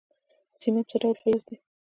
سیماب څه ډول فلز دی؟